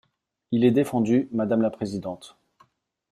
Il est défendu, madame la présidente.